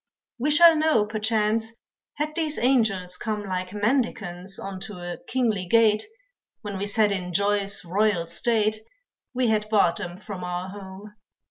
We shall know, perchance, had these angels come Like mendicants unto a kingly gate When we sat in joy's royal state, We had barred them from our home.